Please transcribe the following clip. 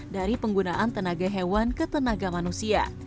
dari penggunaan tenaga hewan ke tenaga manusia